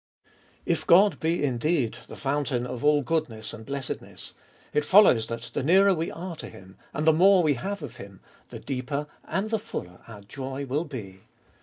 2. If God be indeed the fountain of all goodness and blessedness, it follows that the nearer we are to Him, and the more we have of Him, the deeper and the fuller our joy will be.